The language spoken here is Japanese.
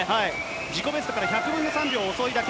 自己ベストから１００分の３秒遅いだけ。